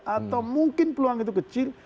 atau mungkin peluang itu kecil